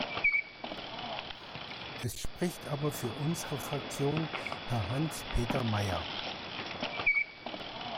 Es spricht aber für unsere Fraktion Herr Hans-Peter Mayer.